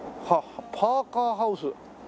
はあパーカーハウス。